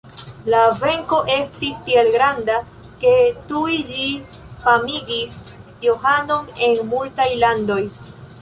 La venko estis tiel granda, ke tuj ĝi famigis Johanon en multaj landoj.